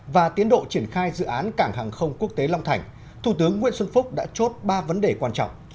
và tiến độ triển khai dự án cảng hàng không quốc tế long thành thủ tướng nguyễn xuân phúc đã chốt ba vấn đề quan trọng